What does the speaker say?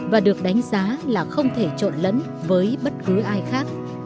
và được đánh giá là không thể trộn lẫn với các bài thơ